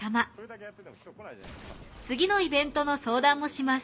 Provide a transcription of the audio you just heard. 次のイベントの相談もします。